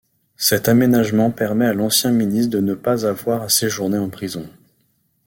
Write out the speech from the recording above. Cet aménagement permet à l'ancien ministre de ne pas avoir à séjourner en prison.